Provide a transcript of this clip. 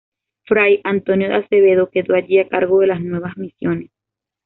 Fray Antonio de Acevedo quedó allí a cargo de las nuevas misiones.